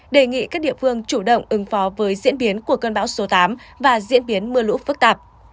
đề nghị các địa phương chủ động ứng phó với diễn biến của cơn bão số tám và diễn biến mưa lũ phức tạp